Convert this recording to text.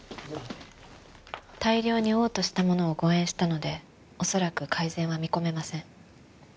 大量に嘔吐したものを誤嚥したので恐らく改善は見込めません。